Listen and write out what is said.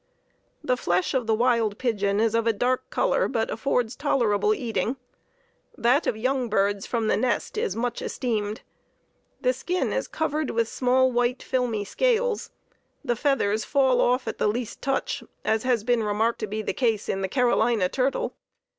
The flesh of the wild pigeon is of a dark color, but affords tolerable eating. That of young birds from the nest is much esteemed. The skin is covered with small white filmy scales. The feathers fall off at the least touch, as has been remarked to be the case in the Carolina Turtle.